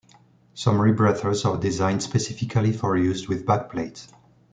Some rebreathers are designed specifically for use with backplates.